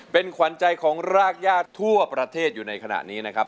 เป็นขวัญใจของรากญาติทั่วประเทศอยู่ในขณะนี้นะครับ